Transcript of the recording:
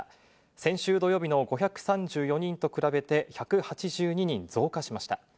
先週土曜日の５３４人と比べて、１８２人増加しました。